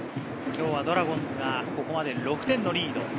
今日はドラゴンズがここまで６点のリード。